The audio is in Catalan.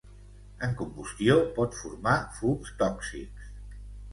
En combustió, pot formar fums tòxics.